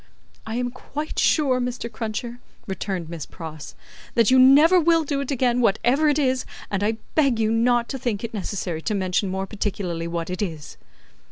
"I am quite sure, Mr. Cruncher," returned Miss Pross, "that you never will do it again, whatever it is, and I beg you not to think it necessary to mention more particularly what it is."